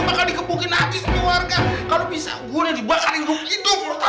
bapak ngomongin puasa sejak kapan lu puasa dan sejak kapan lu mikir puasa